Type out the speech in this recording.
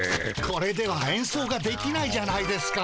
これではえんそうができないじゃないですか。